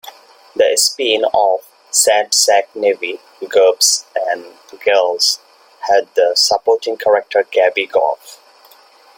The spin-off "Sad Sack Navy, Gobs 'n' Gals" had the supporting character Gabby Gob.